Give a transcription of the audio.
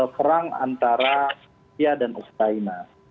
perang antara rusia dan ukraina